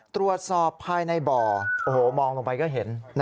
ตรวจสอบภายในบ่อโอ้โหมองลงไปก็เห็น